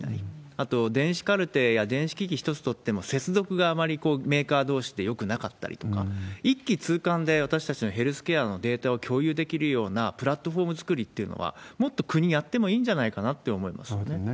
あと電子カルテや電子機器一つとっても、接続があまりメーカーどうしでよくなかったりとか、一気通貫で私たちのヘルスケアのデータを共有できるようなプラットフォーム作りというのは、もっと国、やってもいいんじゃないかなって思いますね。